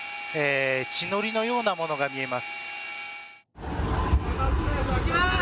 血のりのようなものが見えます。